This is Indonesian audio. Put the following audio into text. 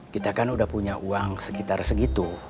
kita kan udah punya uang sekitar segitu